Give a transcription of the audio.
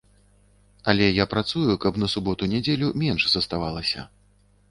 Але я працую, каб на суботу-нядзелю менш заставалася.